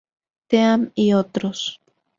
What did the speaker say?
Team y otros.